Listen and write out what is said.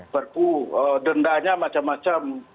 perpu dendanya macam macam